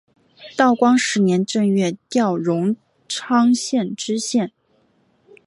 道光十年正月调荣昌县知县。